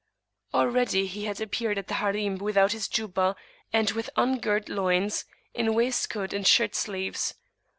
Already he had appeared at the Harim without his Jubbah, and with ungirt loins in waistcoat and shirt sleeves.